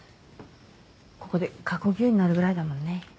ここで過呼吸になるぐらいだもんね